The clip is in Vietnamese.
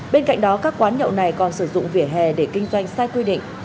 bên cạnh đó các quán nhậu này còn sử dụng vỉa hè để kinh doanh sai quy định